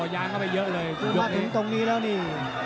มาถึงตรงนี้แล้วนี่